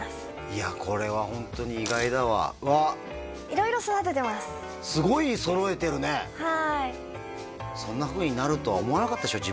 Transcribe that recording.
いやこれはホントに意外だわわっ色々育ててますすごい揃えてるねはいそんなふうになるとは思わなかったでしょ？